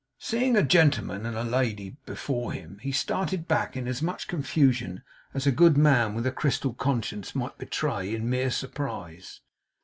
Seeing a gentleman and lady before him, he started back in as much confusion as a good man with a crystal conscience might betray in mere surprise.